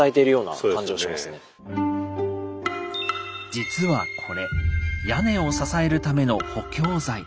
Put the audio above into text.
実はこれ屋根を支えるための補強材。